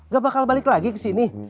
gak bakal balik lagi kesini